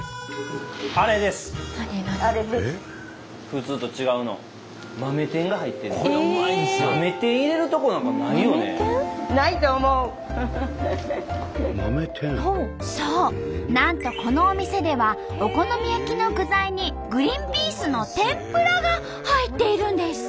普通と違うのそうなんとこのお店ではお好み焼きの具材にグリーンピースの天ぷらが入っているんです。